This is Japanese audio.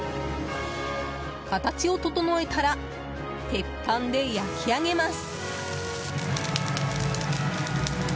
形を整えたら鉄板で焼き上げます。